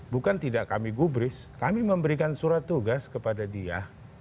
bukan tidak kami gubris kami memberikan surat tugas kepada dia